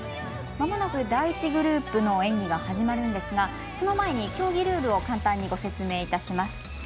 まもなく第１グループの演技が始まるんですがその前に、競技ルールを簡単にご説明いたします。